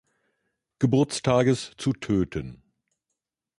Geburtstages zu töten.